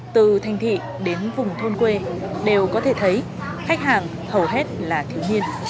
từ thành thị đến vùng thôn quê đều có thể thấy khách hàng hầu hết là thiếu nhiên